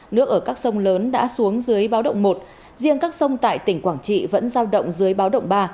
nước ở các sông lớn đã xuống dưới báo động một riêng các sông tại tỉnh quảng trị vẫn giao động dưới báo động ba